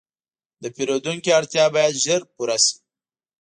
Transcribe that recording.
د پیرودونکي اړتیا باید ژر پوره شي.